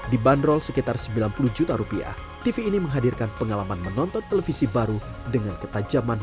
dibanderol sekitar sembilan puluh juta rupiah tv ini menghadirkan pengalaman menonton televisi baru dengan ketajaman